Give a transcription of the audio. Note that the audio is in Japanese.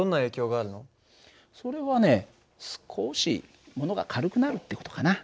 それはね少しものが軽くなるって事かな。